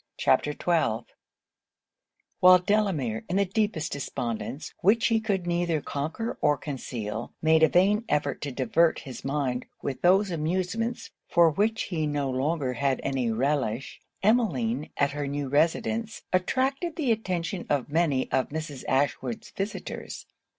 CHAPTER XII While Delamere, in the deepest despondence, which he could neither conquer or conceal, made a vain effort to divert his mind with those amusements for which he no longer had any relish, Emmeline, at her new residence, attracted the attention of many of Mrs. Ashwood's visitors.